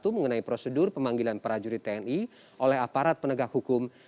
mengenai prosedur pemanggilan prajurit tni oleh aparat penegak hukum